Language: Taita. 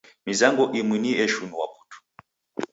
Mizango imu ni eshinua putu.